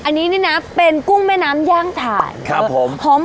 อันนี้นี่นะเป็นกุ้งแม่น้ำย่างถ่านครับผมผม